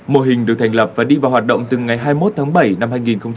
mô hình được thành lập và đi vào hoạt động từ ngày hai mươi một tháng bảy năm hai nghìn một mươi chín